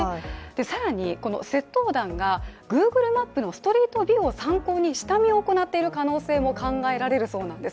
更に、窃盗団がＧｏｏｇｌｅマップのストリートビューを参考に下見を行っている可能性も考えられるそうなんです。